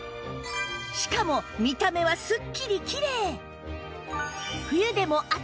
しかも見た目はスッキリきれい！